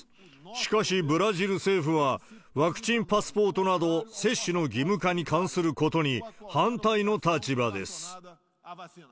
しかし、ブラジル政府はワクチンパスポートなど、接種の義務化に関することに反対の立場です。